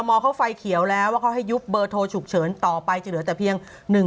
ออกไปจะเหลือแต่เพียง๑๙๑